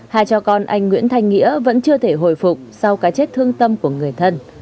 hai cha con anh nguyễn thanh nghĩa vẫn chưa thể hồi phục sau cái chết thương tâm của người thân